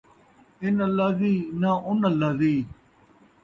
اِن اللذی ناں اُن اللذی